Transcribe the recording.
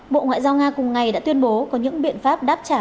bộ ngoại giao nga cùng ngày đã tuyên bố có những biện pháp đáp trả